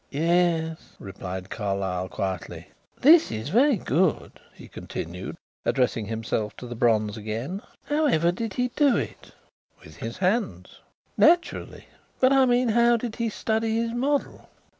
"Yes," replied Carlyle quietly. "This is very good," he continued, addressing himself to the bronze again. "How ever did he do it?" "With his hands." "Naturally. But, I mean, how did he study his model?"